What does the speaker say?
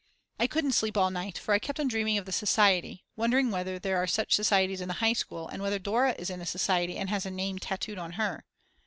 I couldn't sleep all night for I kept on dreaming of the society, wondering whether there are such societies in the high school and whether Dora is in a society and has a name tattooed on her.